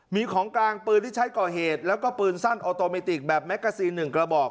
มีของกลางปืนที่ใช้ก่อเหตุแล้วก็ปืนสั้นออโตเมติกแบบแกซีน๑กระบอก